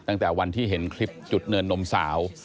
ตั้งแต่วันที่เห็นคลิปจุดเนินนมสาว